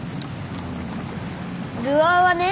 ルアーはね